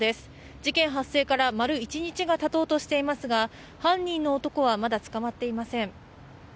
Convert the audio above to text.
事件発生から丸一日がたとうとしていますが犯人の男はまだ捕まっていません。